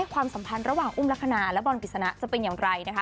ความสัมพันธ์ระหว่างอุ้มลักษณะและบอลกฤษณะจะเป็นอย่างไรนะคะ